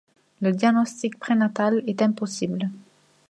Le diagnostic prénatal est impossible.